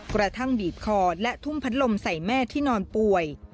กระทั่งบีบคอและทุ่มพัดลมใส่แม่ที่นอนป่วย